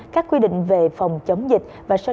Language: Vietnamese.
các quy định về phòng chống dịch